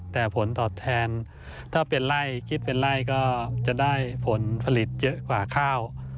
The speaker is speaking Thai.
แต่ผลตอบแทนถ้าเป็นไล่คิดเป็นไร่ก็จะได้ผลผลิตเยอะกว่าข้าว